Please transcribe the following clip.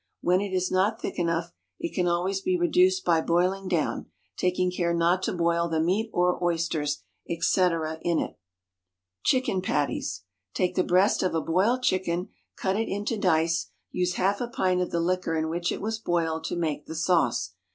When it is not thick enough, it can always be reduced by boiling down, taking care not to boil the meat or oysters, etc., in it. Chicken Patties. Take the breast of a boiled chicken, cut it into dice; use half a pint of the liquor in which it was boiled to make the sauce.